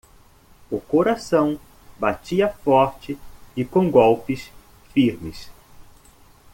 O coração batia forte e com golpes firmes.